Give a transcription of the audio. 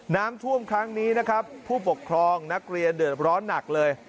น้ำท่วมครั้งนี้นะครับผู้ปกครองนักเรียนเดือดร้อนหนักเลย